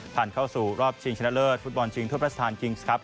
ผ่านเข้าสู่รอบชิงชนะเลิศฟุตบอลชิงทุบรัฐสถานกิงส์ครับ